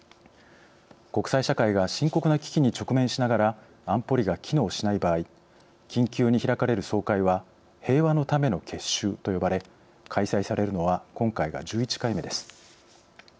国際社会が深刻な危機に直面しながら安保理が機能しない場合緊急に開かれる総会は平和のための結集と呼ばれ開催されるのは今回が１１回目です。